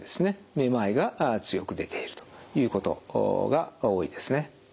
めまいが強く出ているということが多いですね。